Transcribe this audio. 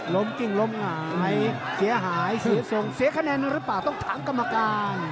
ล้มกิ้งล้มหายเสียหายเสียกระแนนหรือเปล่าต้องถามกรรมการ